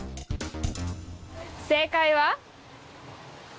正解は。